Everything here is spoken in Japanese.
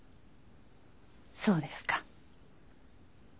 そうですか。